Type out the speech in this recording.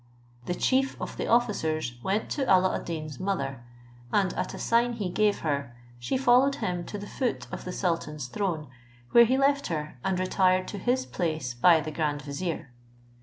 The chief of the officers went to Alla ad Deen's mother, and at a sign he gave her, she followed him to the foot of the sultan's throne, where he left her, and retired to his place by the grand vizier.